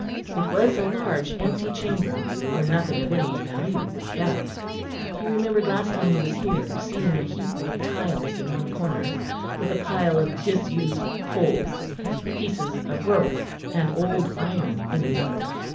It was a large empty chamber, where nothing of any value was kept. He remembered last time he was here seeing a heap of tiles in one corner, with a pile of disused poles; pieces of rope, and old iron in another.